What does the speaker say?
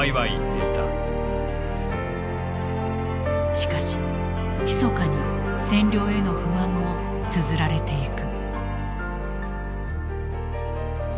しかしひそかに占領への不満もつづられていく。